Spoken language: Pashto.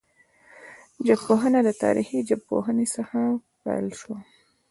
ژبپوهنه د تاریخي ژبپوهني څخه پیل سوه.